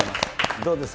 どうですか？